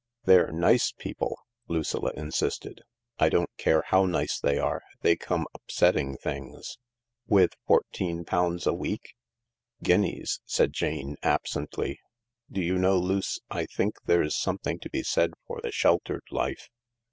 " They're nice people/' Lucilla insisted. " I don't care how nice they are — they come upsetting things." " With fourteen pounds a week ?" "Guineas," said Jane absently. "Do you know, Luce, I think there's something to be said for the sheltered life